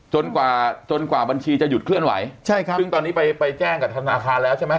กว่าจนกว่าบัญชีจะหยุดเคลื่อนไหวใช่ครับซึ่งตอนนี้ไปไปแจ้งกับธนาคารแล้วใช่ไหม